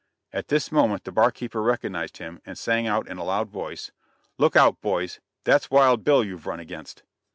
At this moment the bar keeper recognized him, and sang out in a loud voice: "Look out boys that's Wild Bill you've run against."